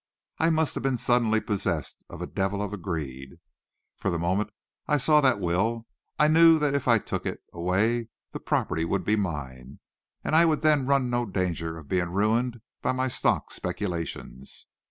I must have been suddenly possessed of a devil of greed, for the moment I saw that will, I knew that if I took it away the property would be mine, and I would then run no danger of being ruined by my stock speculations.